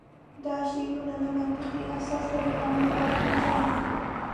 دا شعارونه نه منطقي اساس لري او نه واقعي زمینه